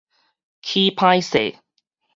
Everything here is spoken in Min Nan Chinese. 起歹勢